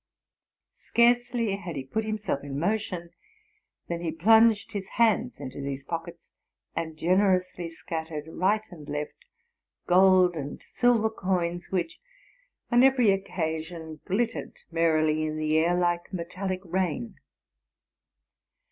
Scarcely had he put himself in motion than he plunged his hands into these pockets, and generously scattered, right and left, gold and silver coins, which, on eyery occasion, glittered merrily RELATING TO MY LIFE. =| Hree in the air like metallic rain.